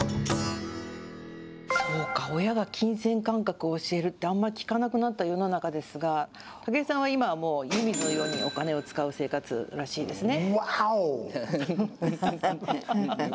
そうか、親が金銭感覚を教えるってあんまり聞かなくなった世の中ですが、武井さんは今、もう湯水のようにお金を使う生活らしいですね。